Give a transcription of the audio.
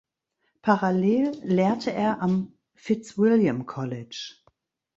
Parallel lehrte er am Fitzwilliam College.